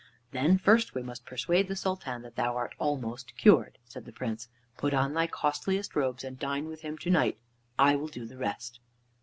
"Then first we must persuade the Sultan that thou art almost cured," said the Prince. "Put on thy costliest robes and dine with him to night, and I will do the rest."